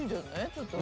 ちょっと。